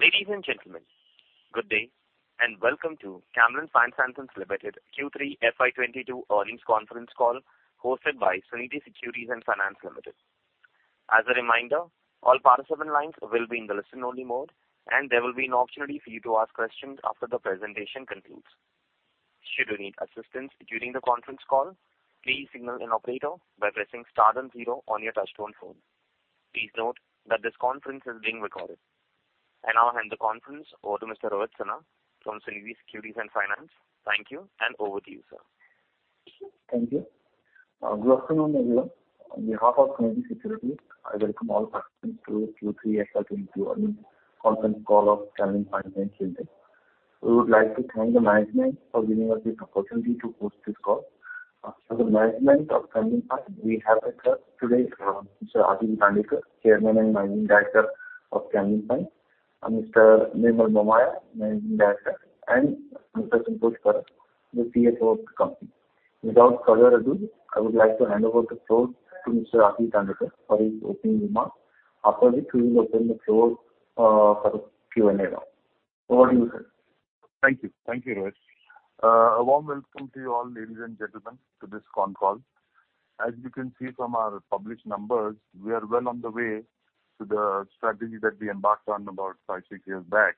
Ladies and gentlemen, good day and welcome to Camlin Fine Sciences Limited Q3 FY 2022 earnings conference call hosted by Sunidhi Securities & Finance Limited. As a reminder, all participant lines will be in the listen-only mode, and there will be an opportunity for you to ask questions after the presentation concludes. Should you need assistance during the conference call, please signal an operator by pressing star then zero on your touchtone phone. Please note that this conference is being recorded. I now hand the conference over to Mr. Rohit Sinha from Sunidhi Securities & Finance. Thank you, and over to you, sir. Thank you. Good afternoon, everyone. On behalf of Sunidhi Securities, I welcome all participants to Q3 FY 2022 earnings conference call of Camlin Fine Sciences Limited. We would like to thank the management for giving us this opportunity to host this call. From the management of Camlin Fine, we have with us today, Mr. Ashish Dandekar, Chairman and Managing Director of Camlin Fine, and Mr. Nirmal Momaya, Managing Director, and Mr. Santosh Parab, the CFO of the company. Without further ado, I would like to hand over the floor to Mr. Ashish Dandekar for his opening remarks. After which, we will open the floor for Q&A round. Over to you, sir. Thank you. Thank you, Rohit. A warm welcome to you all, ladies and gentlemen, to this con call. As you can see from our published numbers, we are well on the way to the strategy that we embarked on about five, six years back,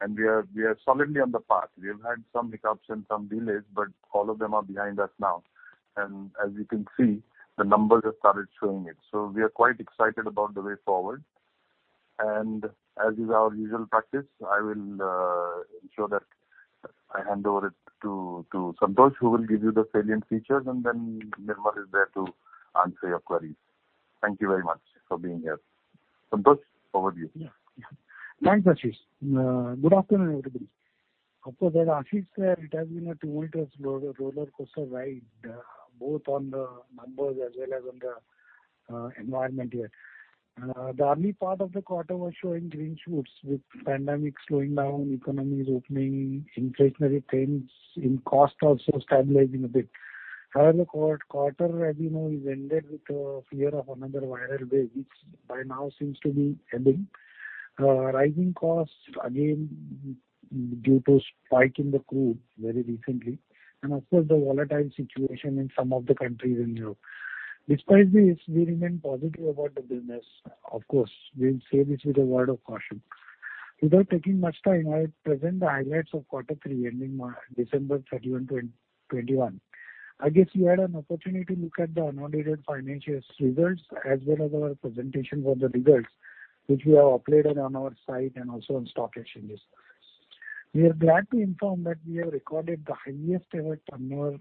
and we are solidly on the path. We have had some hiccups and some delays, but all of them are behind us now. As you can see, the numbers have started showing it. We are quite excited about the way forward. As is our usual practice, I will ensure that I hand over it to Santosh, who will give you the salient features, and then Nirmal is there to answer your queries. Thank you very much for being here. Santosh, over to you. Thanks, Ashish. Good afternoon, everybody. Of course, as Ashish said, it has been a tumultuous roller coaster ride, both on the numbers as well as on the environment here. The early part of the quarter was showing green shoots with pandemic slowing down, economies opening, inflationary trends in cost also stabilizing a bit. However, quarter, as you know, is ended with the fear of another viral wave, which by now seems to be ebbing. Rising costs again due to spike in the crude very recently and of course, the volatile situation in some of the countries in Europe. Despite this, we remain positive about the business. Of course, we say this with a word of caution. Without taking much time, I'll present the highlights of quarter three ending December 31, 2021. I guess you had an opportunity to look at the unaudited financial results as well as our presentation for the results, which we have uploaded on our site and also on stock exchanges. We are glad to inform that we have recorded the highest ever turnover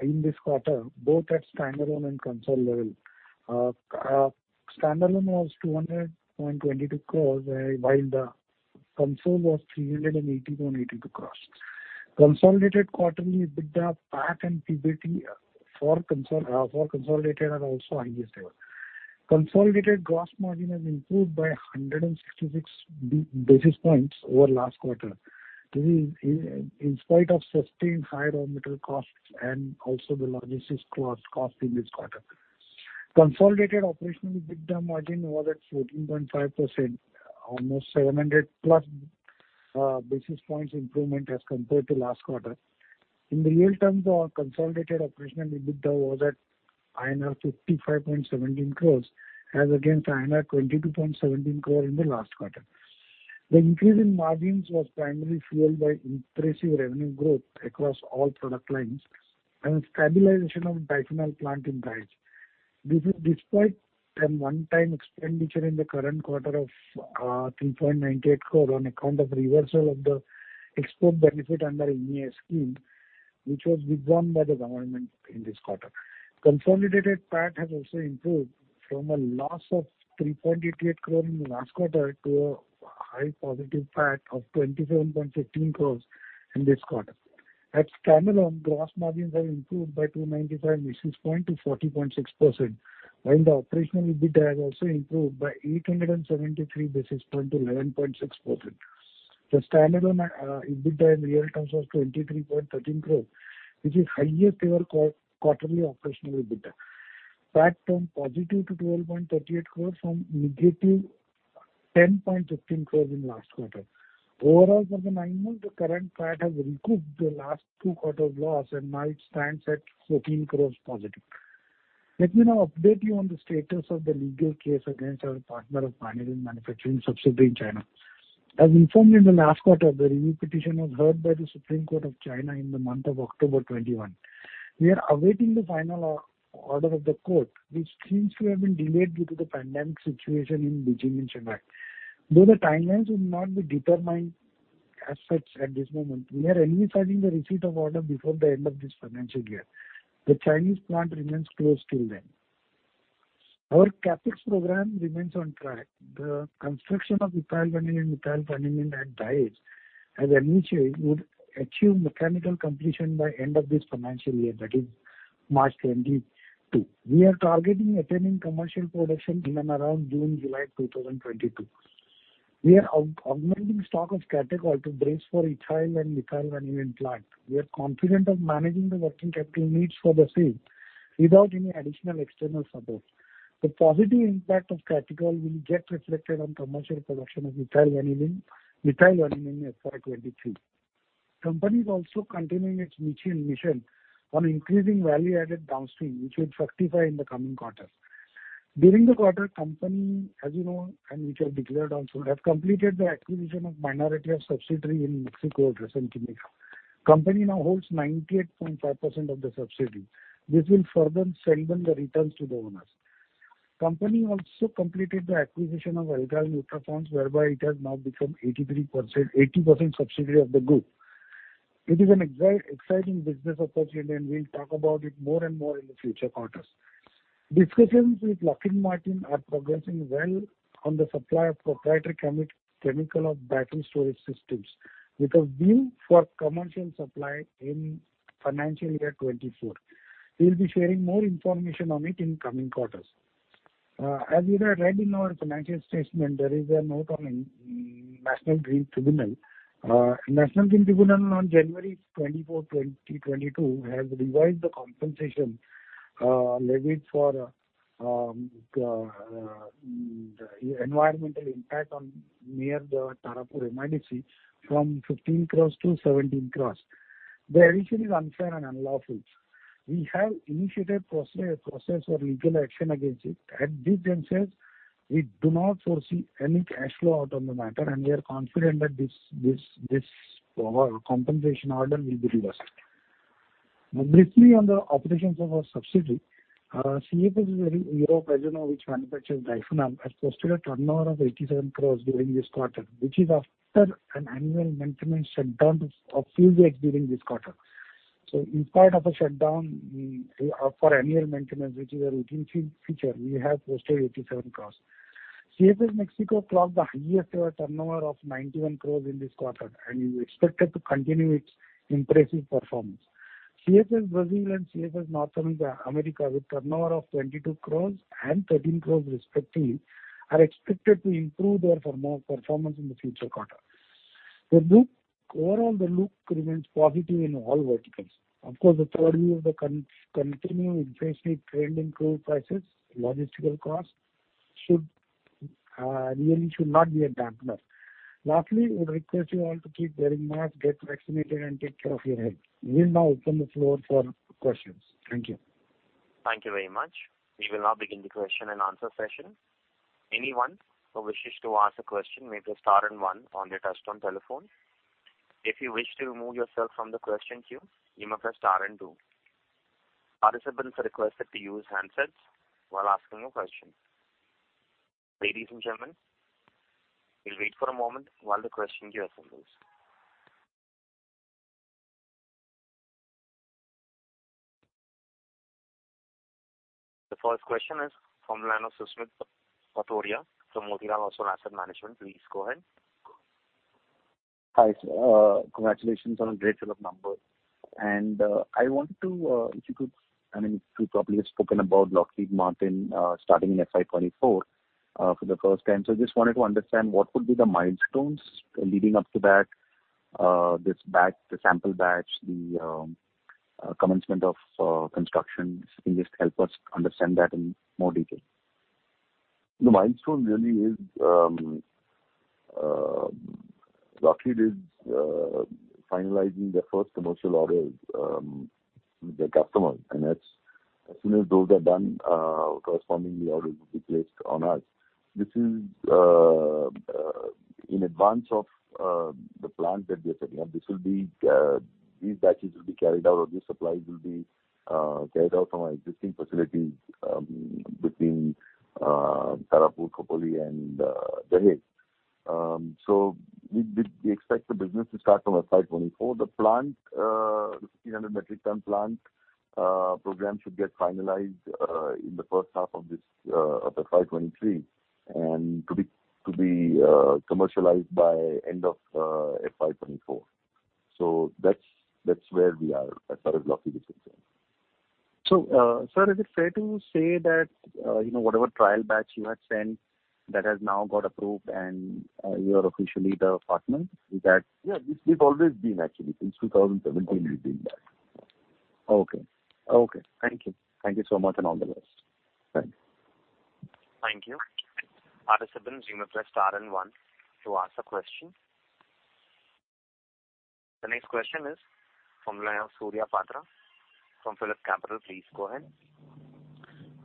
in this quarter, both at standalone and consolidated level. Standalone was 200.22 crore, while the consolidated was 380.82 crore. Consolidated quarterly EBITDA, PAT and PBT for consolidated are also highest ever. Consolidated gross margin has improved by 166 basis points over last quarter. This is in spite of sustained higher raw material costs and also the logistics cost in this quarter. Consolidated operational EBITDA margin was at 14.5%, almost 700+ basis points improvement as compared to last quarter. In real terms, our consolidated operational EBITDA was at INR 55.17 crores as against INR 22.17 crore in the last quarter. The increase in margins was primarily fueled by impressive revenue growth across all product lines and stabilization of diphenol plant in Dahej. This is despite a one-time expenditure in the current quarter of 3.98 crore on account of reversal of the export benefit under MEIS scheme, which was withdrawn by the government in this quarter. Consolidated PAT has also improved from a loss of 3.88 crore in the last quarter to a high positive PAT of 27.15 crores in this quarter. At standalone, gross margins have improved by 295 basis points to 40.6%, while the operational EBITDA has also improved by 873 basis points to 11.6%. The standalone EBITDA in real terms was 23.13 crore, which is highest ever quarterly operational EBITDA. PAT turned positive to 12.38 crore from negative 10.15 crore in last quarter. Overall, for the nine months, the current PAT has recouped the last two quarters' loss and now it stands at 14 crore positive. Let me now update you on the status of the legal case against our partner of vanillin manufacturing subsidiary in China. As informed in the last quarter, the review petition was heard by the Supreme Court of China in the month of October 2021. We are awaiting the final order of the court, which seems to have been delayed due to the pandemic situation in Beijing and Shanghai. Though the timelines will not be determined as such at this moment, we are envisaging the receipt of order before the end of this financial year. The Chinese plant remains closed till then. Our CapEx program remains on track. The construction of ethyl vanillin, methyl vanillin at Dahej, as envisaged, would achieve mechanical completion by end of this financial year, that is March 2022. We are targeting attaining commercial production in and around June, July 2022. We are augmenting stock of catechol to brace for ethyl and methyl vanillin plant. We are confident of managing the working capital needs for the same without any additional external support. The positive impact of catechol will get reflected on commercial production of ethyl vanillin, methyl vanillin in FY 2023. Company is also continuing its mission on increasing value added downstream, which will fructify in the coming quarters. During the quarter, the company, as you know, which we have also declared, has completed the acquisition of the minority of the subsidiary in Mexico, Dresen Quimica. The company now holds 98.5% of the subsidiary. This will further strengthen the returns to the owners. The company also completed the acquisition of Alkyl Nitrones, whereby it has now become 80% subsidiary of the group. It is an exciting business opportunity, and we'll talk about it more and more in the future quarters. Discussions with Lockheed Martin are progressing well on the supply of proprietary chemicals for battery storage systems, with a view for commercial supply in FY 2024. We'll be sharing more information on it in coming quarters. As you have read in our financial statement, there is a note on National Green Tribunal. National Green Tribunal on January 24th, 2022, has revised the compensation levied for the environmental impact near the Tarapur MIDC from 15 crore to 17 crore. The revision is unfair and unlawful. We have initiated process for legal action against it. At this juncture, we do not foresee any cash flow out of the matter, and we are confident that this compensation order will be reversed. Now briefly on the operations of our subsidiary. CFS Europe, as you know, which manufactures Dyfonam, has posted a turnover of 87 crore during this quarter, which is after an annual maintenance shutdown of few days during this quarter. In spite of a shutdown for annual maintenance, which is a routine feature, we have posted 87 crore. CFS Mexico clocked the highest ever turnover of 91 crore in this quarter, and is expected to continue its impressive performance. CFS Brazil and CFS North America, with turnover of 22 crore and 13 crore respectively, are expected to improve their performance in the future quarter. Overall, the outlook remains positive in all verticals. Of course, in view of the continuing inflationary trend in crude prices, logistical costs should really not be a dampener. Lastly, we request you all to keep wearing mask, get vaccinated, and take care of your health. We'll now open the floor for questions. Thank you. Thank you very much. We will now begin the question and answer session. Anyone who wishes to ask a question may press star and one on your touchtone telephone. If you wish to remove yourself from the question queue, you may press star and two. Participants are requested to use handsets while asking a question. Ladies and gentlemen, we'll wait for a moment while the question queue assembles. The first question is from the line of Susmit Patodia from Motilal Oswal Asset Management. Please go ahead. Hi, sir. Congratulations on a great set of numbers. I wanted to, if you could, I mean, you probably have spoken about Lockheed Martin starting in FY 2024 for the first time. Just wanted to understand what would be the milestones leading up to that. This batch, the sample batch, the commencement of construction. Can you just help us understand that in more detail? The milestone really is Lockheed finalizing the first commercial orders with the customer. That's, as soon as those are done, the corresponding orders will be placed on us. This is in advance of the plant that they're setting up. These batches will be carried out or these supplies will be carried out from our existing facilities between Tarapur, Khopoli and Dahej. We expect the business to start from FY 2024. The 1,500 metric ton plant program should get finalized in the first half of this of the FY 2023 and to be commercialized by end of FY 2024. That's where we are as far as Lockheed is concerned. Sir, is it fair to say that you know, whatever trial batch you had sent that has now got approved and you are officially the partner? Yeah. We've always been actually. Since 2017, we've been that. Okay. Thank you so much, and all the best. Thanks. Thank you. Participants, you may press star and one to ask a question. The next question is from the line of Surya Patra from PhillipCapital. Please go ahead.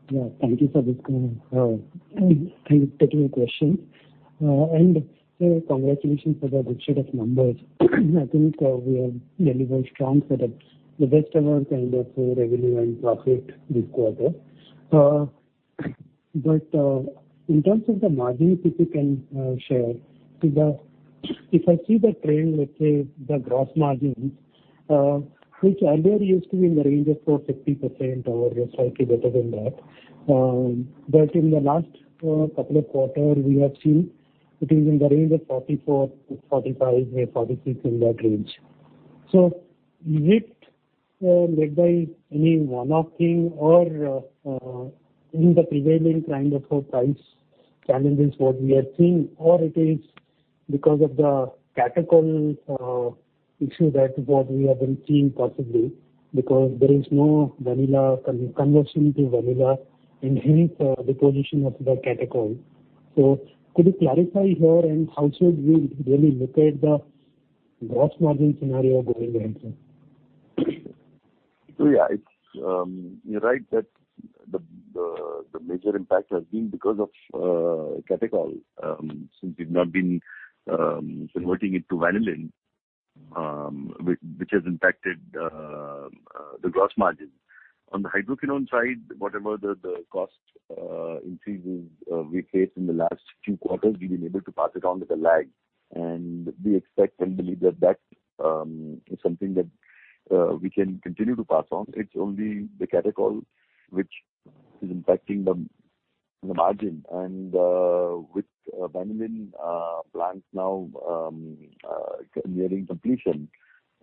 Yeah, thank you for this. Thank you for taking the question. Congratulations for the good set of numbers. I think we have delivered strong set of the best ever kind of revenue and profit this quarter. In terms of the margins, if you can share to the. If I see the trend, let's say the gross margins, which earlier used to be in the range of 40% or slightly better than that. In the last couple of quarter, we have seen it is in the range of 44% to 45% or 46%, in that range. Is it led by any one-off thing or in the prevailing kind of price challenges what we are seeing or it is because of the catechol issue that what we have been seeing possibly because there is no vanillin conversion to vanillin and hence the position of the catechol? Could you clarify here and how should we really look at the gross margin scenario going ahead, sir? Yeah, it's, you're right that the major impact has been because of catechol since we've not been converting it to vanillin which has impacted the gross margin. On the hydroquinone side, whatever the cost increases we faced in the last few quarters, we've been able to pass it on with a lag, and we expect and believe that that is something that we can continue to pass on. It's only the catechol which is impacting the margin. With vanillin plants now nearing completion,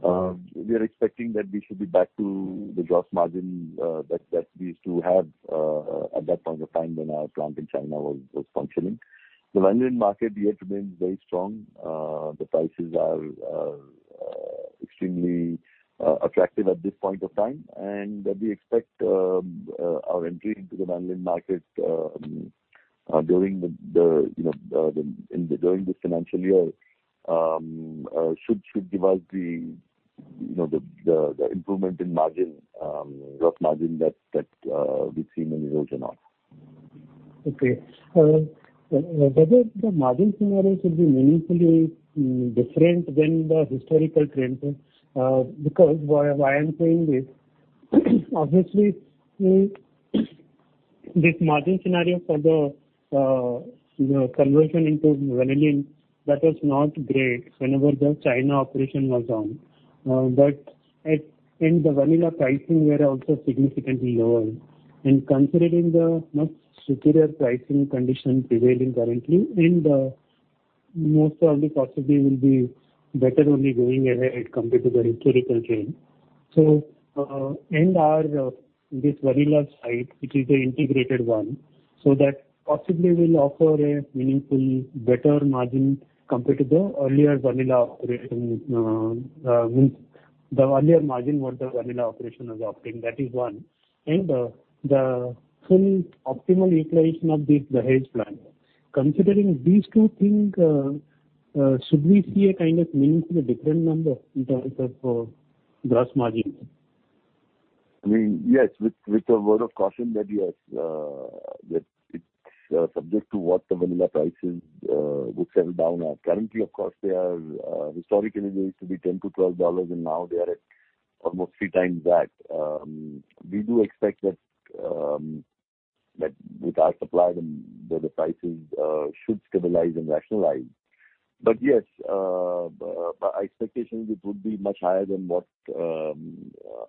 we are expecting that we should be back to the gross margin that we used to have at that point of time when our plant in China was functioning. The vanillin market yet remains very strong. The prices are extremely attractive at this point of time, and we expect our entry into the vanillin market during this financial year should give us the you know the improvement in margin, gross margin that we've seen in the years gone on. Okay. Whether the margin scenario should be meaningfully different than the historical trends is because why I'm saying this, obviously, this margin scenario for the conversion into vanillin, that was not great whenever the China operation was on. The vanillin pricing were also significantly lower. Considering the much superior pricing condition prevailing currently, and most probably possibly will be better only going ahead compared to the historical trend. Our this vanillin site, which is the integrated one, so that possibly will offer a meaningfully better margin compared to the earlier vanillin operation, means the earlier margin what the vanillin operation was offering, that is one. The full optimal utilization of the Dahej plant. Considering these two things, should we see a kind of meaningfully different number in terms of gross margins? I mean, yes, with a word of caution that yes, that it's subject to what the vanillin prices would settle down at. Currently, of course, they are historically $10 to $12, and now they are at almost three times that. We do expect that with our supply, the prices should stabilize and rationalize. Yes, our expectations, it would be much higher than what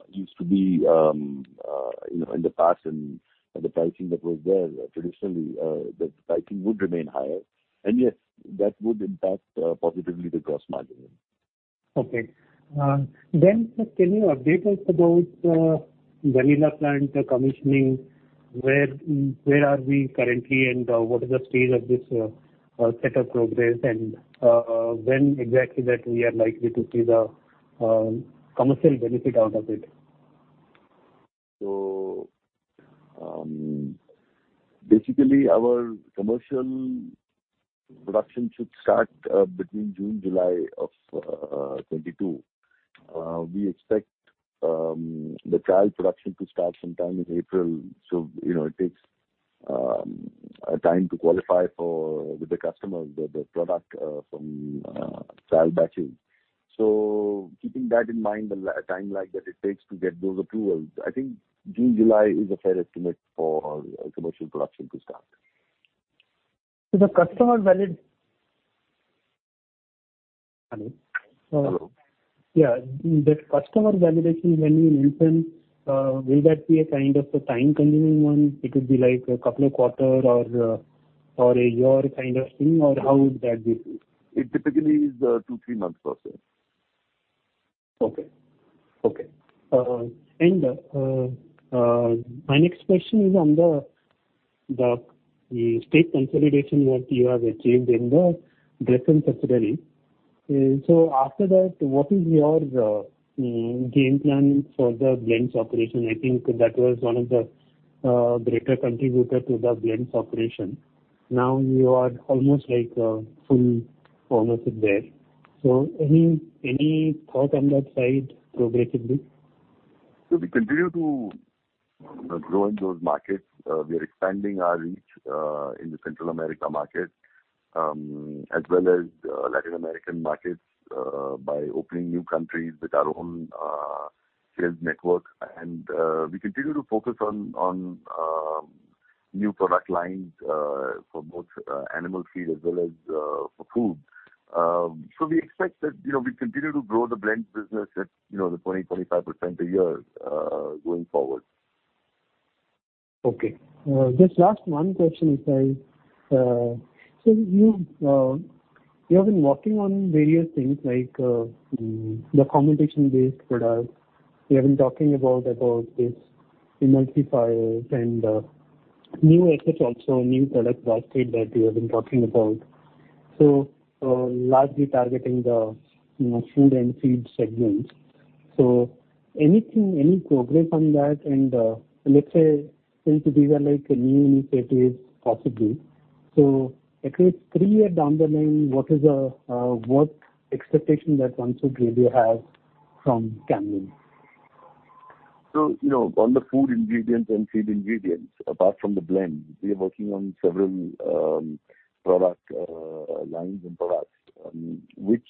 used to be, you know, in the past and the pricing that was there traditionally. The pricing would remain higher. Yes, that would impact positively the gross margin. Okay. Sir, can you update us about vanillin plant commissioning? Where are we currently, and what is the state of this setup progress, and when exactly that we are likely to see the commercial benefit out of it? Basically, our commercial production should start between June and July 2022. We expect the trial production to start sometime in April. You know, it takes a time to qualify the product with the customers from trial batches. Keeping that in mind, the time like that it takes to get those approvals, I think June-July is a fair estimate for commercial production to start. Hello? Hello. Yeah. The customer validation, when we mention, will that be a kind of a time-consuming one? It could be like a couple of quarters or a year kind of thing, or how would that be? It typically is a two, three months process. My next question is on the stake consolidation what you have achieved in the Griffin subsidiary. After that, what is your game plan for the blends operation? I think that was one of the greater contributor to the blends operation. Now you are almost like full owners there. Any thought on that side progressively? We continue to grow in those markets. We are expanding our reach in the Central America market, as well as Latin American markets, by opening new countries with our own sales network. We continue to focus on new product lines for both animal feed as well as for food. We expect that, you know, we continue to grow the blends business at, you know, the 25% a year, going forward. Okay. Just last one question, so you have been working on various things like the fermentation-based product. You have been talking about this emulsifier and new efforts also, new product basket that you have been talking about. Largely targeting the, you know, food and feed segments. Anything, any progress on that? And let's say, since these are like new initiatives possibly, at least three years down the line, what expectation that Hansol Korea has from Camlin? You know, on the food ingredients and feed ingredients, apart from the blend, we are working on several product lines and products which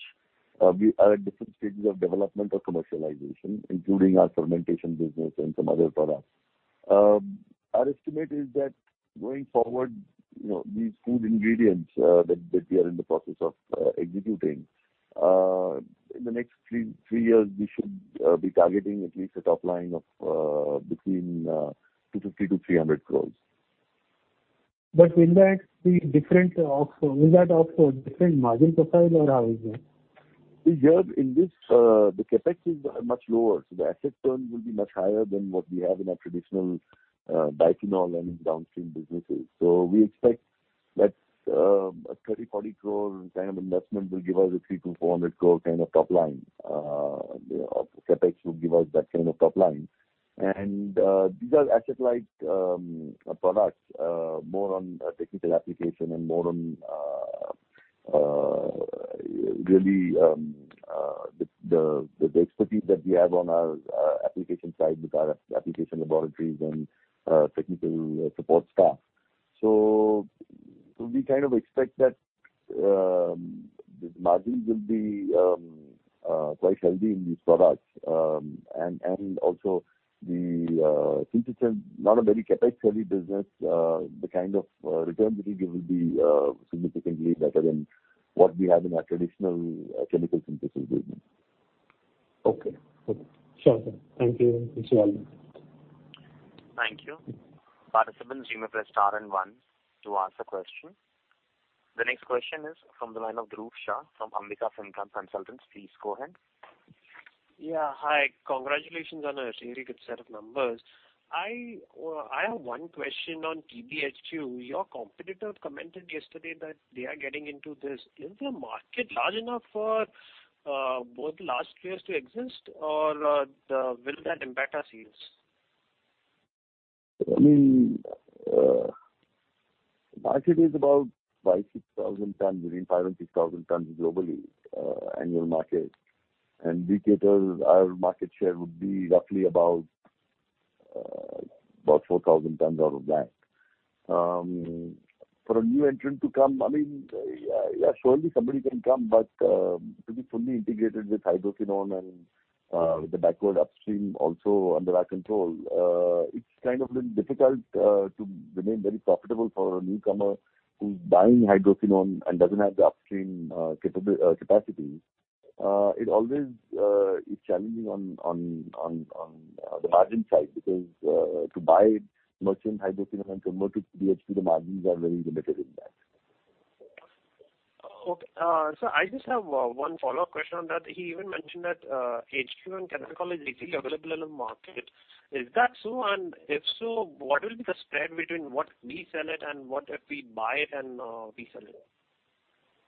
we are at different stages of development or commercialization, including our fermentation business and some other products. Our estimate is that going forward, you know, these food ingredients that we are in the process of executing in the next three years, we should be targeting at least a top line of between 250 core to 300 core. Will that offer a different margin profile or how is it? Here in this, the CapEx is much lower, so the asset turn will be much higher than what we have in our traditional diphenol and downstream businesses. We expect that a 30 crore to 40 crore kind of investment will give us a 300 crore to 400 crore kind of top line. CapEx will give us that kind of top line. These are asset light products, more on technical application and more on really the expertise that we have on our application side with our application laboratories and technical support staff. We kind of expect that the margins will be quite healthy in these products. Since it's not a very CapEx heavy business, the kind of returns it will give will be significantly better than what we have in our traditional chemical synthesis business. Okay. Okay. Sure. Thank you. Thank you. Thank you. Participants, you may press star and one to ask a question. The next question is from the line of Dhruv Shah from Ambika Fincap Consultants. Please go ahead. Yeah. Hi. Congratulations on a really good set of numbers. I have one question on TBHQ. Your competitor commented yesterday that they are getting into this. Is the market large enough for both large players to exist or will that impact our sales? I mean, market is about 5,000 to 6,000 tons, between 5,000 and 6,000 tons globally, annual market. Our market share would be roughly about 4,000 tons out of that. For a new entrant to come, I mean, yeah, surely somebody can come. To be fully integrated with Hydroquinone and with the backward upstream also under our control, it's kind of difficult to remain very profitable for a newcomer who's buying Hydroquinone and doesn't have the upstream capacity. It always is challenging on the margin side because to buy merchant Hydroquinone and convert it to TBHQ, the margins are very limited in that. Okay. I just have one follow-up question on that. He even mentioned that HQ and catechol is easily available in the market. Is that so? And if so, what will be the spread between what we sell it and what if we buy it and resell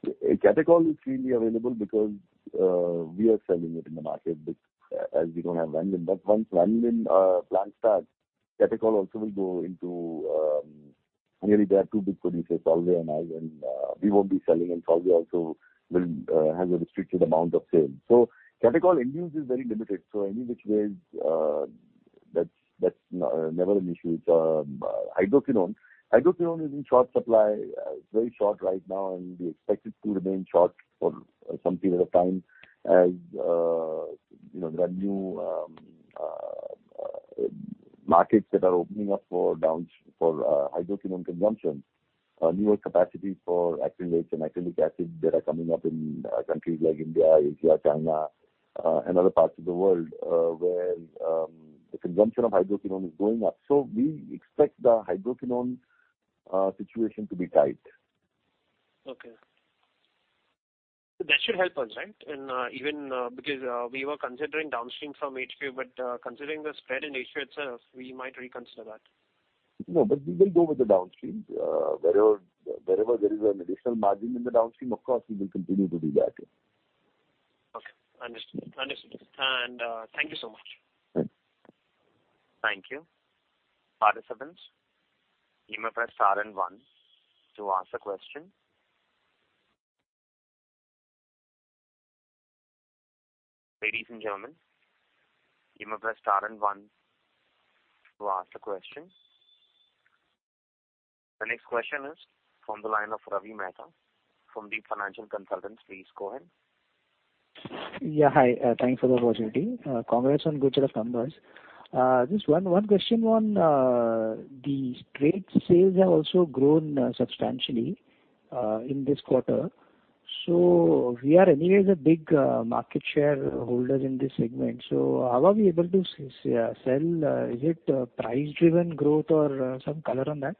it? Catechol is freely available because we are selling it in the market as we don't have vanillin. Once vanillin plant starts, catechol also will go into. Really, there are two big producers, Solvay and us, and we won't be selling and Solvay also will have a restricted amount of sales. Catechol end use is very limited. Any which ways, that's never an issue. It's hydroquinone. Hydroquinone is in short supply. It's very short right now, and we expect it to remain short for some period of time as you know, there are new markets that are opening up for hydroquinone consumption. Newer capacity for acrylates and acrylic acid that are coming up in countries like India, Asia, China, and other parts of the world, where the consumption of hydroquinone is going up. We expect the hydroquinone situation to be tight. Okay. That should help us, right? Even because we were considering downstream from HQ, but considering the spread in Asia itself, we might reconsider that. No, we will go with the downstream. Wherever there is an additional margin in the downstream, of course, we will continue to do that. Okay. Understood. Thank you so much. Thank you. Thank you. The next question is from the line of Ravi Mehta from Deep Financial Consultants. Please go ahead. Yeah. Hi. Thanks for the opportunity. Congrats on good set of numbers. Just one question on the trade sales have also grown substantially in this quarter. We are anyways a big market shareholder in this segment. How are we able to sell? Is it price-driven growth or some color on that?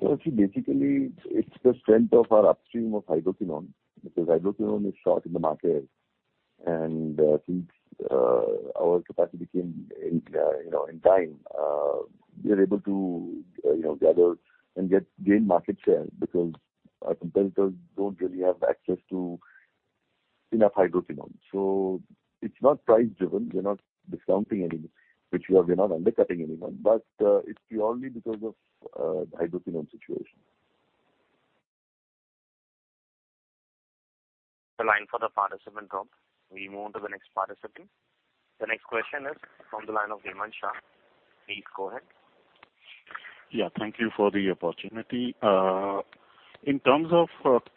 Well, see, basically it's the strength of our upstream of hydroquinone, because hydroquinone is short in the market. Since our capacity came in, you know, in time, we are able to, you know, gather and gain market share because our competitors don't really have access to enough hydroquinone. It's not price driven. We're not discounting any, which we're not undercutting anyone. It's purely because of the hydroquinone situation. The line for the participant dropped. We move on to the next participant. The next question is from the line of Hemant Shah. Please go ahead. Yeah. Thank you for the opportunity. In terms of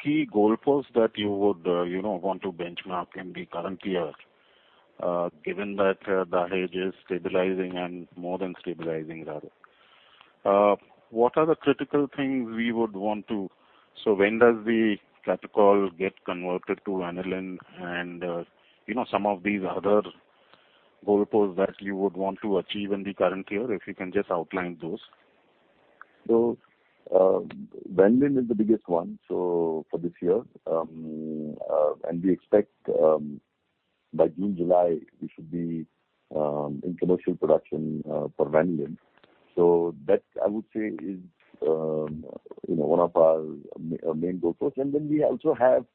key goalposts that you would, you know, want to benchmark in the current year, given that Dahej is stabilizing and more than stabilizing rather, what are the critical things we would want to. When does the Catechol get converted to aniline, and, you know, some of these other goalposts that you would want to achieve in the current year, if you can just outline those. vanillin is the biggest one for this year. We expect by June, July, we should be in commercial production for vanillin. That I would say is you know one of our main goalposts. We also have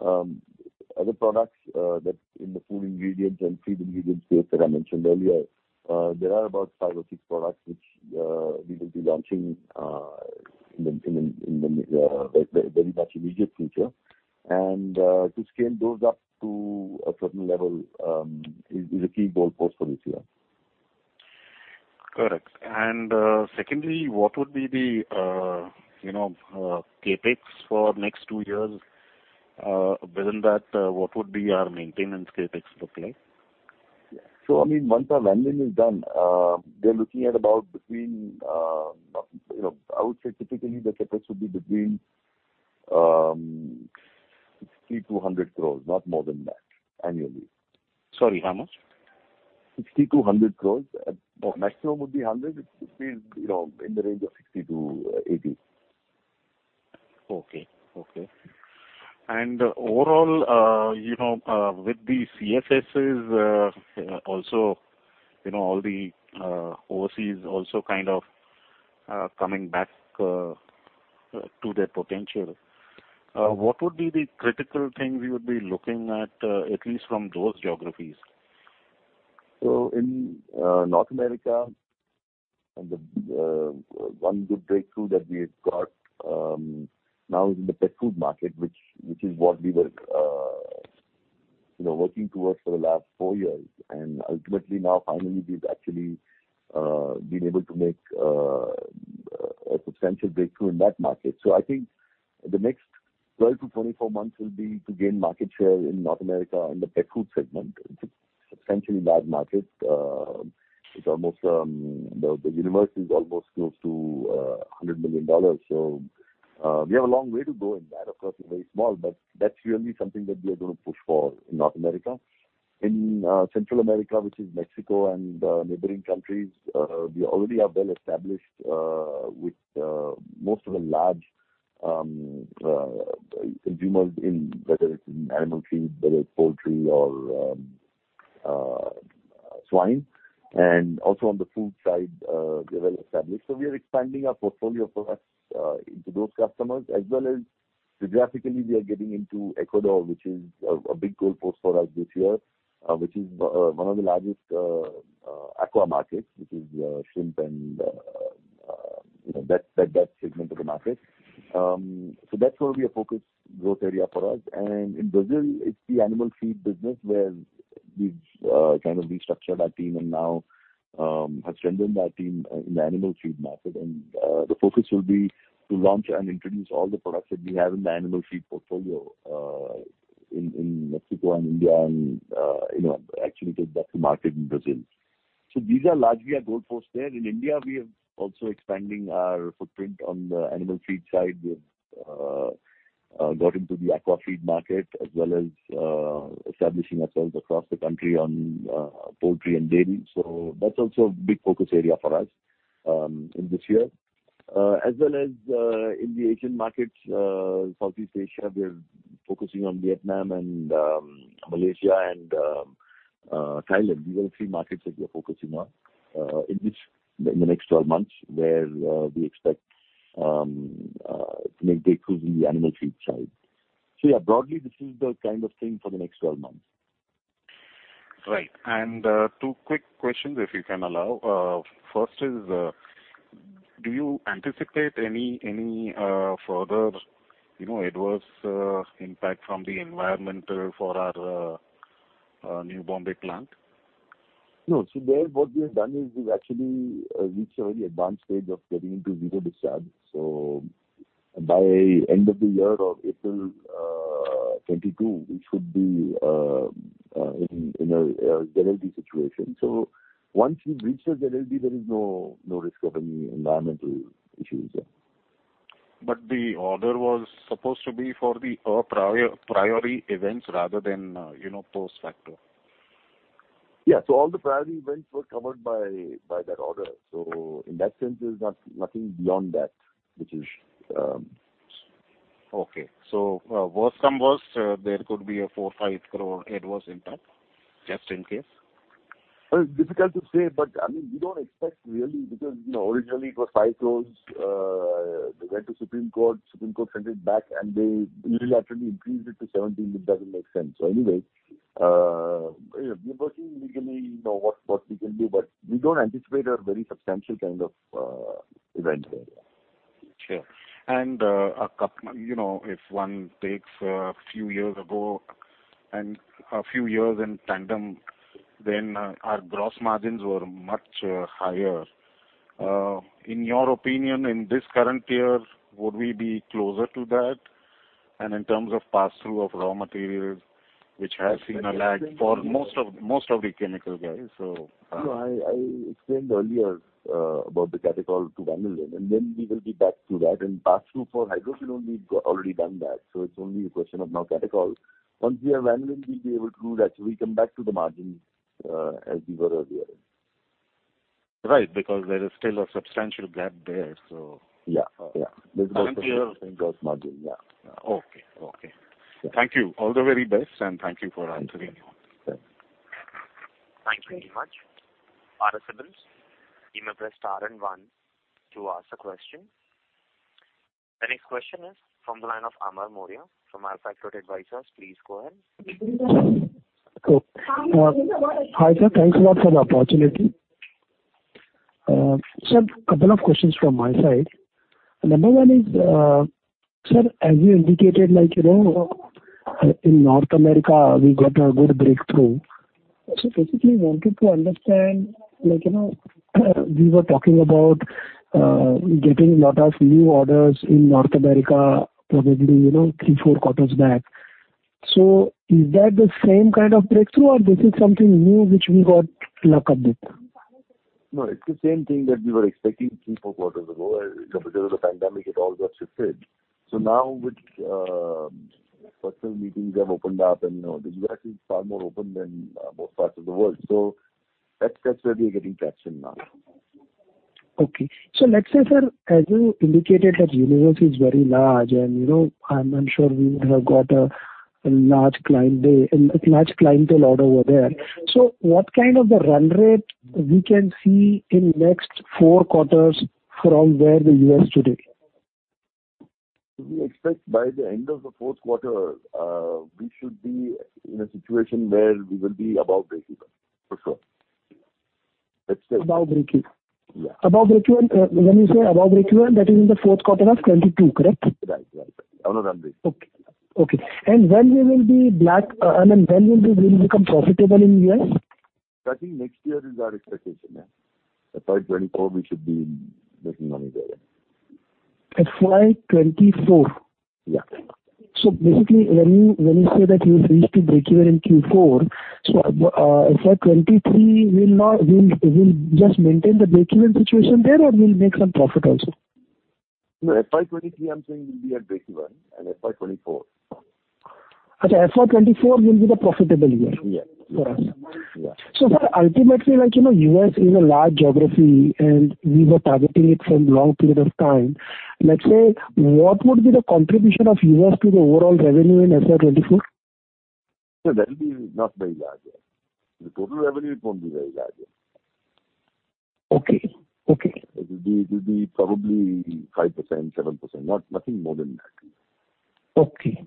other products that in the food ingredient and feed ingredient space that I mentioned earlier. There are about five or six products which we will be launching in the very much immediate future. To scale those up to a certain level is a key goalpost for this year. Correct. Secondly, what would be the, you know, CapEx for next two years, within that, what would be our maintenance CapEx look like? I mean, once our vanillin is done, we're looking at about between, you know, I would say typically the CapEx would be between 60 crore to 100 crore, not more than that annually. Sorry, how much? 60 crore to 100 crore. Maximum would be 100 crore. It could be, you know, in the range of 60 crore to 80 crore. Okay. Overall, you know, with the CFSs also, you know, all the overseas also kind of coming back to their potential, what would be the critical thing we would be looking at least from those geographies? In North America and the one good breakthrough that we've got now is in the pet food market, which is what we were you know working towards for the last four years. Ultimately now finally we've actually been able to make a substantial breakthrough in that market. I think the next 12 to 24 months will be to gain market share in North America on the pet food segment. It's a substantially large market. It's almost the universe is almost close to $100 million. We have a long way to go in that. Of course, we're very small, but that's really something that we are gonna push for in North America. In Central America, which is Mexico and neighboring countries, we already are well established with most of the large consumers in whether it's in animal feed, whether it's poultry or swine. Also on the food side, we are well established. We are expanding our portfolio products into those customers as well as geographically we are getting into Ecuador, which is a big goalpost for us this year, which is one of the largest aqua markets, which is shrimp and you know, that segment of the market. That's gonna be a focus growth area for us. In Brazil it's the animal feed business where we've kind of restructured our team and now have strengthened our team in the animal feed market. The focus will be to launch and introduce all the products that we have in the animal feed portfolio in Mexico and India and you know actually take that to market in Brazil. These are largely our goalposts there. In India, we are also expanding our footprint on the animal feed side. We've got into the aqua feed market as well as establishing ourselves across the country on poultry and dairy. That's also a big focus area for us in this year. In the Asian markets, Southeast Asia, we are focusing on Vietnam and Malaysia and Thailand. These are the three markets that we are focusing on in the next 12 months, where we expect to make breakthroughs in the animal feed side. Yeah, broadly, this is the kind of thing for the next 12 months. Right. Two quick questions, if you can allow. First is, do you anticipate any further, you know, adverse impact from the environmental for our new Tarapur plant? No. There what we have done is we've actually reached a very advanced stage of getting into zero discharge. By end of the year or April 2022, we should be in a ZLD situation. Once we reach the ZLD, there is no risk of any environmental issues there. The order was supposed to be for the priority events rather than, you know, post facto. Yeah. All the priority events were covered by that order. In that sense, there's nothing beyond that which is. Okay. Worst comes to worst, there could be a 4 crore to 5 crore advance impact, just in case? Well, it's difficult to say, but I mean, we don't expect really because, you know, originally it was 5 crore. They went to Supreme Court, Supreme Court sent it back and they unilaterally increased it to 17 crore. It doesn't make sense. Anyways, we're working legally, you know, what we can do, but we don't anticipate a very substantial kind of event there. Sure. A couple you know, if one takes a few years ago and a few years in tandem, then our gross margins were much higher. In your opinion, in this current year, would we be closer to that? In terms of pass-through of raw materials, which has seen a lag for most of the chemical guys. No, I explained earlier about the catechol to vanillin, and then we will be back to that. Pass-through for hydroquinone, we've already done that, so it's only a question of now catechol. Once we have vanillin, we'll be able to actually come back to the margin as we were earlier. Right. Because there is still a substantial gap there. Yeah. Yeah. And here- Gross margin, yeah. Okay. Okay. Yeah. Thank you. All the very best and thank you for answering. Sure. Thank you very much. Participants, you may press star and one to ask a question. The next question is from the line of Amar Mourya from AlfAccurate Advisors. Please go ahead. Hi, sir. Thanks a lot for the opportunity. Sir, couple of questions from my side. Number one is, sir, as you indicated, like, you know, in North America, we got a good breakthrough. Basically wanted to understand, like, you know, we were talking about getting lot of new orders in North America, probably, you know, three, four quarters back. Is that the same kind of breakthrough or this is something new which we got lucky a bit? No, it's the same thing that we were expecting three, four quarters ago. Because of the pandemic, it all got shifted. Now with personal meetings have opened up and, you know, the U.S. is far more open than most parts of the world. That's where we are getting traction now. Okay. Let's say, sir, as you indicated that universe is very large and, you know, I'm sure we would have got a large client base, a large clientele out over there. What kind of a run rate we can see in next four quarters from where the U.S. today? We expect by the end of the fourth quarter, we should be in a situation where we will be above breakeven for sure. Let's say. Above breakeven? Yeah. Above breakeven, when you say above breakeven, that is in the fourth quarter of 2022, correct? Right. On a run rate. Okay. When will we really become profitable in U.S.? I think next year is our expectation, yeah. FY 2024 we should be making money there, yeah. FY 2024? Yeah. Basically, when you say that you've reached the breakeven in Q4, FY 2023 will just maintain the breakeven situation there or we'll make some profit also? No, FY 2023 I'm saying we'll be at breakeven and FY 2024. Okay. FY 2024 will be the profitable year. Yeah. for us? Yeah. Sir, ultimately, like, you know, U.S. is a large geography and we were targeting it for long period of time. Let's say, what would be the contribution of U.S. to the overall revenue in FY 2024? No, that will be not very large. The total revenue won't be very large. Okay. Okay. It will be probably 5% to 7%, not nothing more than that. Okay.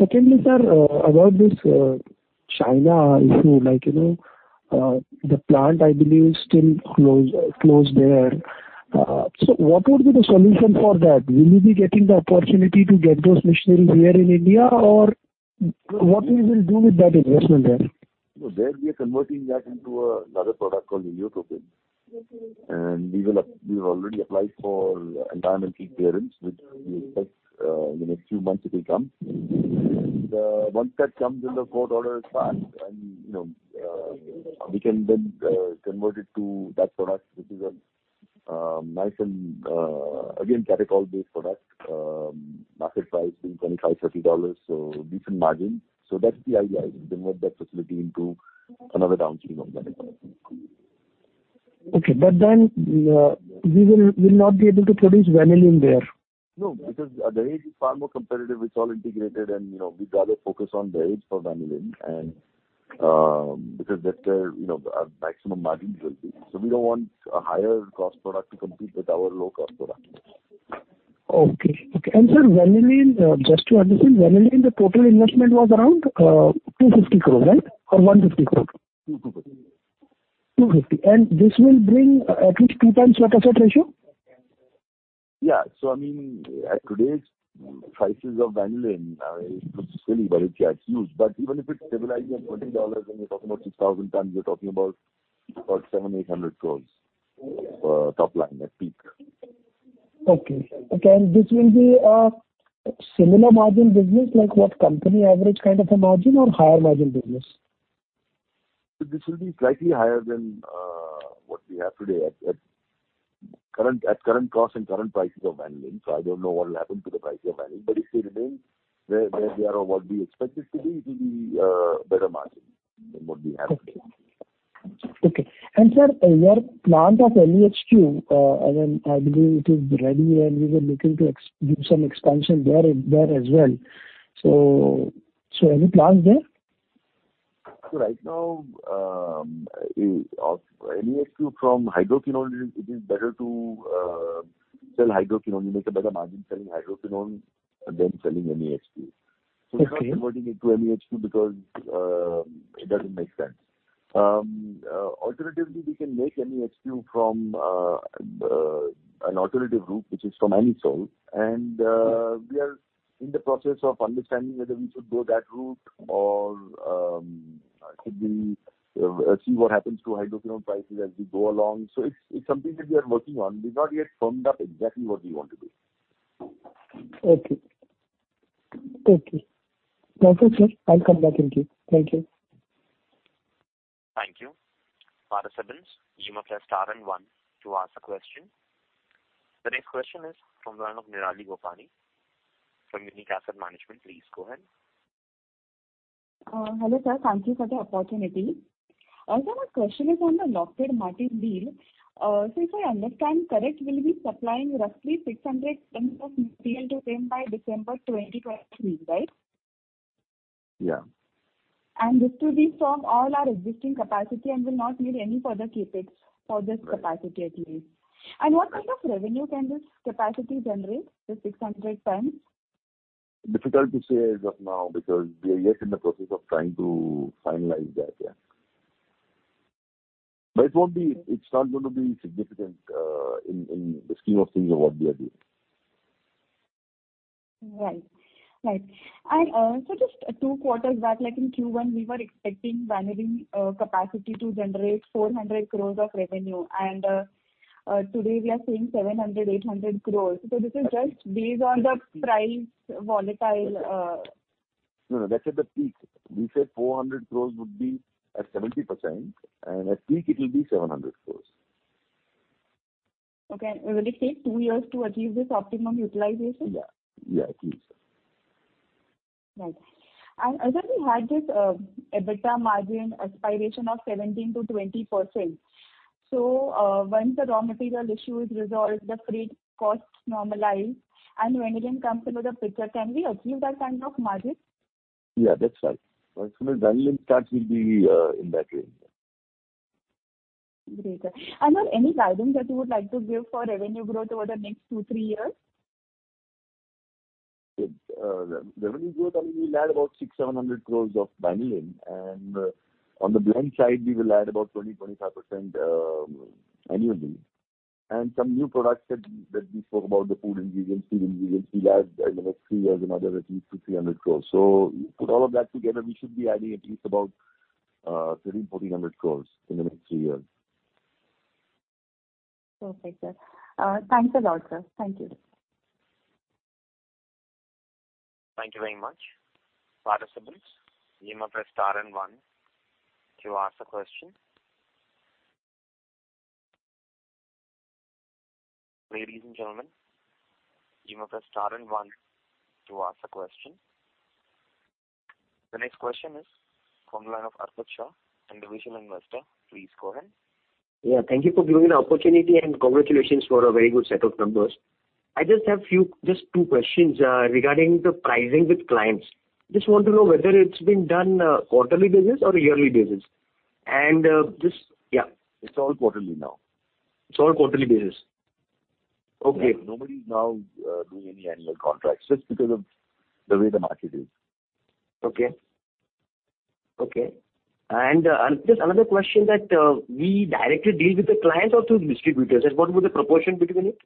Secondly, sir, about this China issue, like, you know, the plant I believe is still closed there. So what would be the solution for that? Will we be getting the opportunity to get those machines here in India? Or what we will do with that investment there? No, there we are converting that into another product called vanillin. We've already applied for environmental clearance, which will take in the next few months. It will come. Once that comes into force, order is passed and, you know, we can then convert it to that product which is a nice and again catechol-based product, market price being $25 to $30, so decent margin. That's the idea, is convert that facility into another downstream of catechol. Okay. We'll not be able to produce vanillin there. No, because the space is far more competitive, it's all integrated and, you know, we'd rather focus on the space for vanillin and, because that's where, you know, our maximum margins will be. We don't want a higher cost product to compete with our low-cost product. Sir, vanillin, just to understand, vanillin the total investment was around 250 crore, right? Or 150 crore? 250. 250. This will bring at least two times leverage ratio? Yeah. I mean, at today's prices of vanillin, it's really very huge. But even if it stabilizes at $20 and you're talking about 6,000 tons, we're talking about about 700 to 800, top line at peak. Okay. This will be a similar margin business like what company average kind of a margin or higher margin business? This will be slightly higher than what we have today at current costs and current prices of vanillin. I don't know what will happen to the price of vanillin, but if they remain where they are or what we expect it to be, it'll be better margin than what we have today. Okay. Sir, your plant of MEHQ, I mean, I believe it is ready and you were looking to do some expansion there as well. So any plans there? Right now, of MEHQ from hydroquinone, it is better to sell hydroquinone. You make a better margin selling hydroquinone than selling MEHQ. Okay. We're not converting it to MEHQ because it doesn't make sense. Alternatively, we can make MEHQ from an alternative route, which is from anisole. We are in the process of understanding whether we should go that route or should we see what happens to hydroquinone prices as we go along. It's something that we are working on. We've not yet firmed up exactly what we want to do. Okay. Thank you. Perfect, sir. I'll come back in queue. Thank you. Thank you. Participants, you may press star and one to ask a question. The next question is from the line of Nirali Gopani from Unique Asset Management. Please go ahead. Hello, sir. Thank you for the opportunity. Also, my question is on the Lockheed Martin deal. So if I understand correct, we'll be supplying roughly 600 tons of material to them by December 2023, right? Yeah. This will be from all our existing capacity and will not need any further CapEx for this capacity at least. What kind of revenue can this capacity generate, the 600 tons? Difficult to say as of now because we are yet in the process of trying to finalize that, yeah. It won't be. It's not gonna be significant, in the scheme of things of what we are doing. Right. Just two quarters back, like in Q1, we were expecting vanillin capacity to generate 400 crores of revenue, and today we are saying 700 to 800. This is just based on the price volatile. No, that's at the peak. We said 400 would be at 70%, and at peak it will be 700. Okay. Will it take two years to achieve this optimal utilization? Yeah. Yeah, it will. Right. Also we had this EBITDA margin aspiration of 17% to 20%. Once the raw material issue is resolved, the freight costs normalize and vanillin comes into the picture, can we achieve that kind of margin? Yeah, that's right. Once the vanillin starts, we'll be in that range, yeah. Great. Any guidance that you would like to give for revenue growth over the next two, three years? Revenue growth, I mean, we'll add about 600 to 700 of vanillin. On the blend side, we will add about 20% to 25% annually. Some new products that we spoke about, the food ingredients, feed ingredients, we'll add in the next three years another at least 200 to 300. Put all of that together, we should be adding at least about 1,300 to 1,400 in the next three years. Perfect, sir. Thanks a lot, sir. Thank you. Thank you very much. The next question is from the line of Arpit Shah, Individual Investor. Please go ahead. Yeah, thank you for giving the opportunity, and congratulations for a very good set of numbers. I just have few, just two questions regarding the pricing with clients. Just want to know whether it's been done quarterly basis or yearly basis. It's all quarterly now. It's all quarterly basis? Yeah. Okay. Nobody is now doing any annual contracts just because of the way the market is. Okay. Just another question: do we directly deal with the clients or through distributors? What would the proportion between it?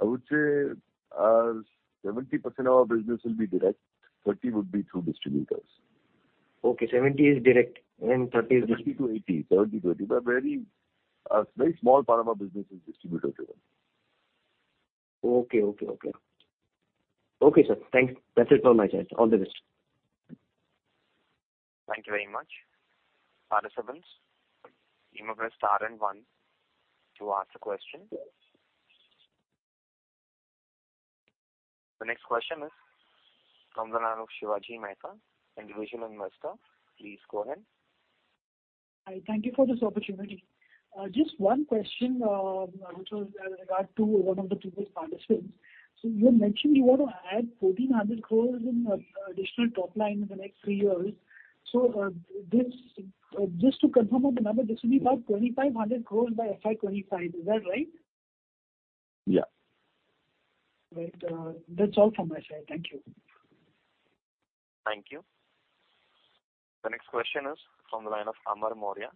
I would say, 70% of our business will be direct, 30% would be through distributors. Okay, 70% is direct and 30% is- 70% to 80%. A very small part of our business is distributor driven. Okay, sir. Thank you. That's it from my side. All the best. Thank you very much. Participants, you may press star and one to ask a question. The next question is from the line of Shivaji Mehta, Individual Investor. Please go ahead. Hi. Thank you for this opportunity. Just one question, which was with regard to one of the previous participants. You mentioned you want to add 1,400 in additional top line in the next three years. Just to confirm on the number, this will be about 2,500 by FY 2025. Is that right? Yeah. Right. That's all from my side. Thank you. Thank you. The next question is from the line of Amar Mourya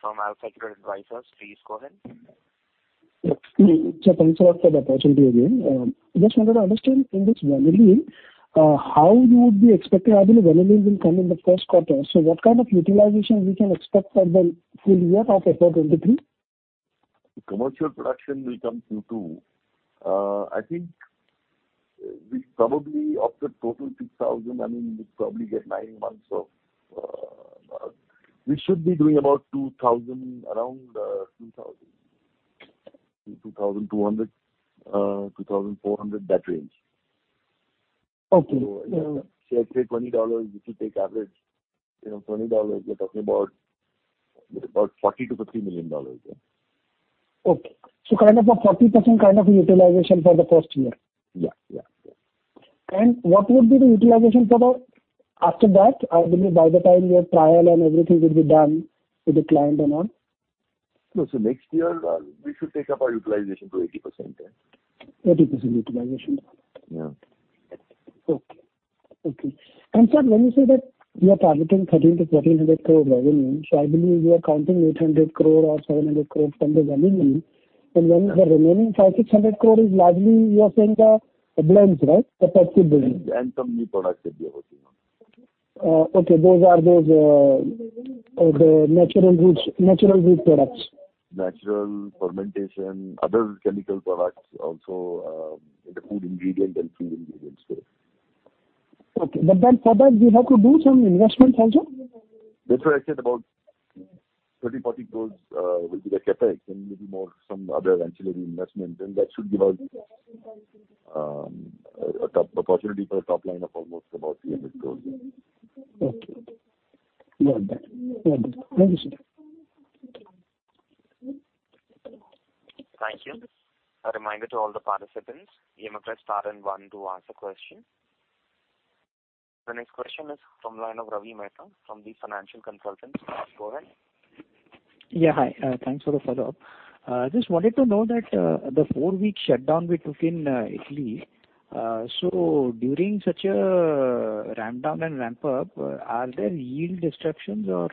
from AlfAccurate Advisors. Please go ahead. Yes. Thanks a lot for the opportunity again. Just wanted to understand in this vanillin how you would be expecting. I believe vanillin will come in the first quarter, so what kind of utilization we can expect for the full year of FY 2023? Commercial production will come Q2. I think we probably of the total 2,000, I mean, we'd probably get nine months of. We should be doing about 2,000, around 2,000 to 2,400, that range. Okay. Yeah. Say at $20, if you take average, you know, $20, we're talking about $40 million to $50 million. Yeah. Okay. Kind of a 40% kind of utilization for the first year? Yeah. What would be the utilization for the after that? I believe by the time your trial and everything will be done with the client and all. No. Next year, we should take up our utilization to 80%, yeah. 80% utilization. Yeah. Okay. Sir, when you say that you are targeting 1,300 to 1,400 revenue, I believe you are counting 800 or 700 from the revenue. The remaining 500 to 600 is largely you are saying the blends, right? The petchem blends. Some new products that we are working on. Okay. Those are the natural ingredients, natural good products. Natural fermentation, other chemical products also, in the food ingredient and feed ingredient space. Okay. For that you have to do some investments also? That's why I said about 30 to 40 will be the CapEx and maybe more some other ancillary investment. Then that should give us a top-line opportunity for a top line of almost about 300. Yeah. Okay. Noted. Thank you, sir. Thank you. A reminder to all the participants, you may press star and one to ask a question. The next question is from the line of Ravi Mehta from Deep Financial Consultants. Please go ahead. Yeah. Hi. Thanks for the follow-up. Just wanted to know that the four-week shutdown we took in Italy, so during such a ramp down and ramp up, are there yield disruptions or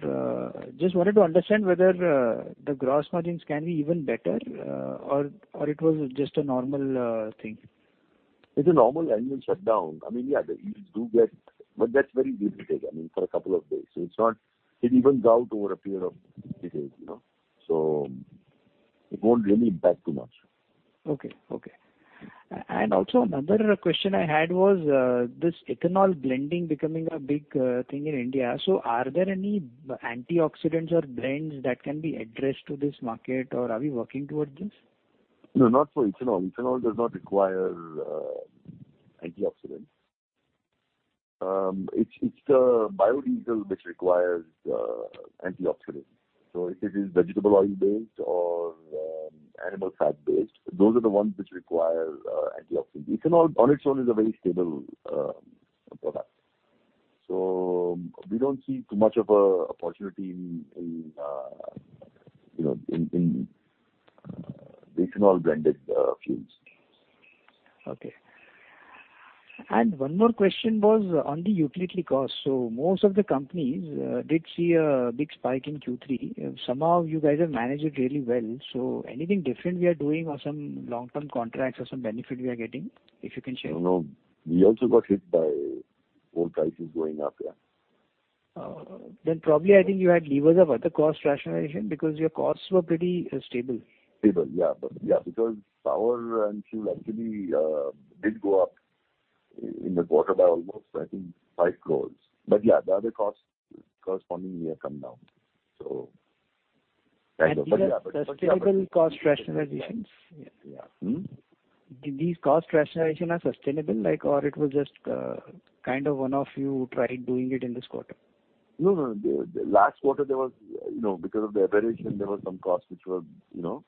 just wanted to understand whether the gross margins can be even better or it was just a normal thing. It's a normal annual shutdown. I mean, yeah, the yields do get. That's very little take, I mean, for a couple of days. It's not. It evens out over a period of days, you know. It won't really impact too much. Okay. Also another question I had was, this ethanol blending becoming a big thing in India. Are there any antioxidants or blends that can be addressed to this market or are we working towards this? No, not for ethanol. Ethanol does not require antioxidants. It's the biodiesel which requires antioxidants. So if it is vegetable oil based or animal fat based, those are the ones which require antioxidants. Ethanol on its own is a very stable product. So we don't see too much of a opportunity in, you know, in the ethanol blended fuels. Okay. One more question was on the utility cost. Most of the companies did see a big spike in Q3. Somehow you guys have managed it really well. Anything different we are doing or some long-term contracts or some benefit we are getting, if you can share? No, no. We also got hit by oil prices going up. Yeah. Probably I think you had levers of other cost rationalization because your costs were pretty stable. Stable. Yeah. Yeah, because power and fuel actually did go up in the quarter by almost, I think, 5 crore. Yeah, the other costs for me may have come down. Kind of These are sustainable cost rationalizations? Yeah. Hmm? Did these cost rationalization are sustainable, like, or it was just kind of one-off you tried doing it in this quarter? No, no. The last quarter there was, you know, because of the aberration, there were some costs which were, you know,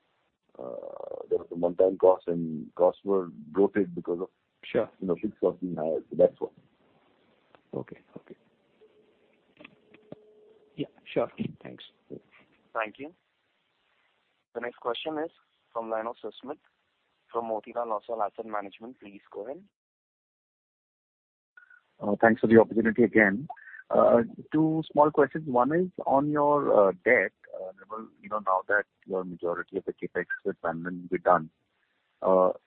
there were some one-time costs and costs were bloated because of. Sure. You know, fixed costs being higher. That's why. Okay. Okay. Yeah, sure. Thanks. Thank you. The next question is from the line of Susmit from Motilal Oswal Asset Management. Please go ahead. Thanks for the opportunity again. Two small questions. One is on your debt. You know, now that your majority of the CapEx with Manthan will be done,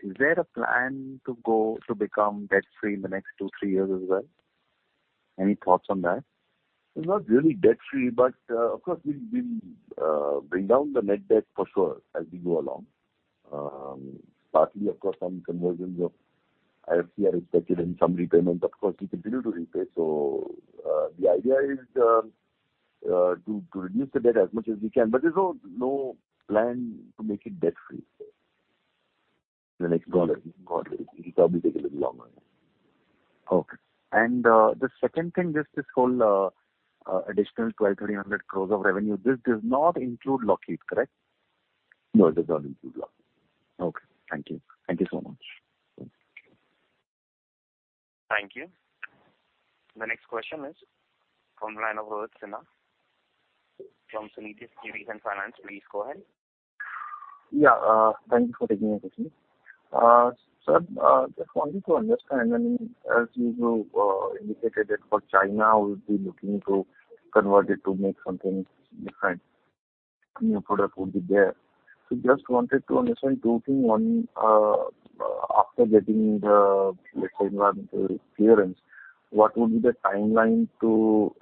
is there a plan to go to become debt free in the next two, three years as well? Any thoughts on that? It's not really debt free, but of course we'll bring down the net debt for sure as we go along. Partly of course some conversions of IFC are expected and some repayments. Of course, we continue to repay. The idea is to reduce the debt as much as we can. There's no plan to make it debt free in the next quarter. Got it. It'll probably take a little longer. Okay. The second thing, this whole additional 1,200 to 1,300 of revenue, this does not include Lokit, correct? No, it does not include Lokit. Okay. Thank you. Thank you so much. Okay. Thank you. The next question is from the line of Rohit Sinha from Sunidhi Securities & Finance. Please go ahead. Thank you for taking the question. Sir, just wanted to understand, I mean, as you indicated that for China we'll be looking to convert it to make something different, new product would be there. So just wanted to understand two thing. One, after getting the, let's say, environmental clearance, what would be the timeline to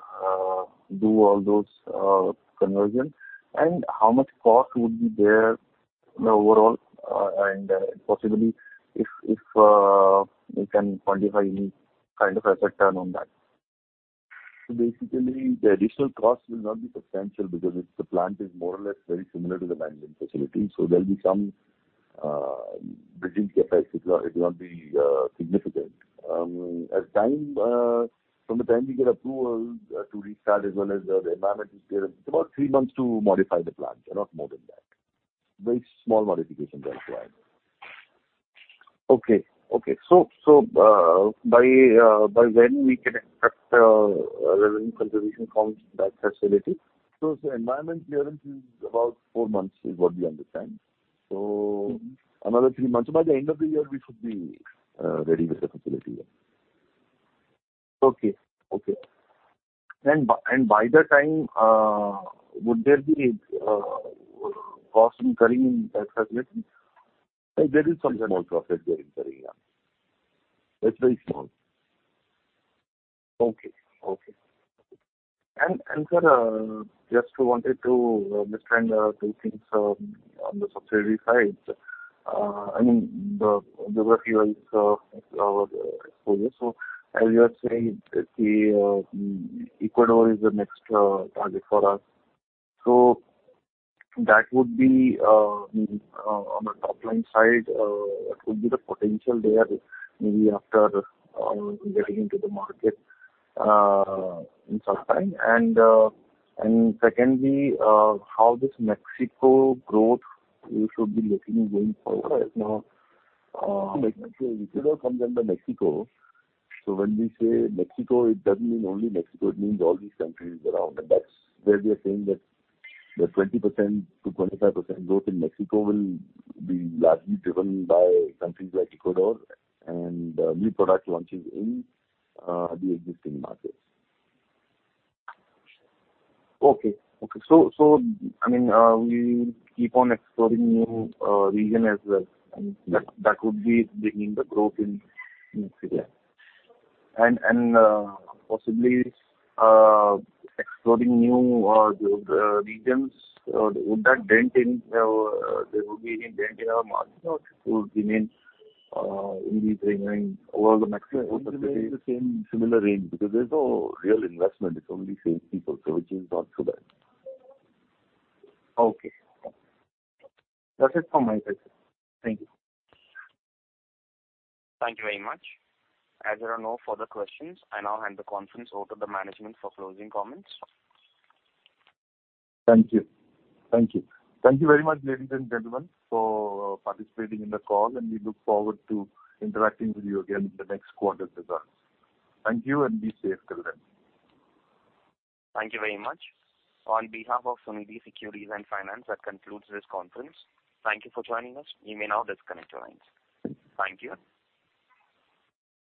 do all those, conversion? And how much cost would be there overall, and possibly if you can quantify any kind of asset turn on that. Basically, the additional cost will not be substantial because it's the plant is more or less very similar to the vanillin facility. There'll be some bridging effects. It will not be significant. The time from the time we get approval to restart as well as the environment is clear, it's about three months to modify the plant and not more than that. Very small modifications are required. Okay. By when we can expect revenue contribution from that facility? Environmental clearance is about four months, is what we understand. Another three months. By the end of the year, we should be ready with the facility, yeah. Okay. By that time, would there be cost incurring in that facility? There is some small profit getting carried, yeah. It's very small. Sir, just wanted to understand two things on the subsidiary side. I mean, the refi is our exposure. As you are saying that the Ecuador is the next target for us. That would be on the top-line side, what would be the potential there maybe after getting into the market in some time? Secondly, how this Mexico growth you should be looking at going forward right now? Like I said, Ecuador comes under Mexico. So when we say Mexico, it doesn't mean only Mexico, it means all these countries around. That's where we are saying that the 20% to 25% growth in Mexico will be largely driven by countries like Ecuador and new product launches in the existing markets. I mean, we keep on exploring new region as well, and that would be bringing the growth in Asia. Possibly exploring new regions. Would there be any dent in our margin or it will remain in the same range over the Mexico facility? It will remain in the same similar range because there's no real investment. It's only sales people, so which is not so bad. Okay. That's it from my side. Thank you. Thank you very much. As there are no further questions, I now hand the conference over to the management for closing comments. Thank you very much, ladies and gentlemen, for participating in the call, and we look forward to interacting with you again in the next quarter results. Thank you, and be safe till then. Thank you very much. On behalf of Sunidhi Securities and Finance, that concludes this conference. Thank you for joining us. You may now disconnect your lines. Thank you.